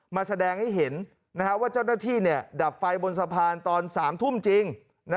มาแสดงให้เห็นว่าเจ้าหน้าที่ดับไฟบนสะพานตอน๓ทุ่มจริง